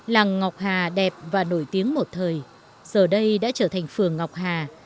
làng ngọc hà đẹp và nổi tiếng một thời giờ đây đã trở thành phường ngọc hà